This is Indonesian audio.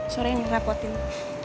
soalnya ini repotin